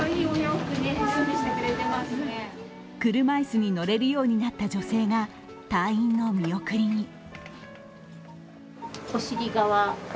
車椅子に乗れるようになった女性が退院の見送りに。